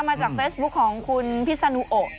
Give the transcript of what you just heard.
อเจมส์หาไปเรื่องผลประโยชน์